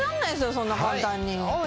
そんな簡単にはい！